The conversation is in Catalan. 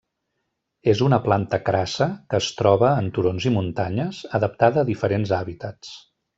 És una planta crassa que es troba en turons i muntanyes, adaptada a diferents hàbitats.